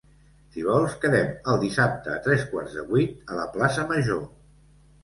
Si vols, quedem el dissabte a tres quarts de vuit a la plaça major.